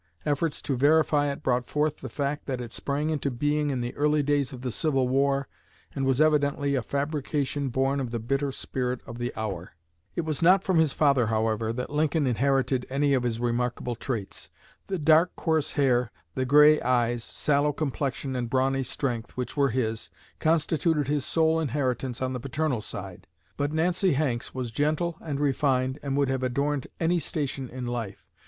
Efforts to verify it brought forth the fact that it sprang into being in the early days of the Civil War and was evidently a fabrication born of the bitter spirit of the hour. It was not from his father, however, that Lincoln inherited any of his remarkable traits. The dark coarse hair, the gray eyes, sallow complexion, and brawny strength, which were his, constituted his sole inheritance on the paternal side. But Nancy Hanks was gentle and refined, and would have adorned any station in life.